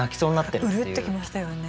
うるってきましたよね。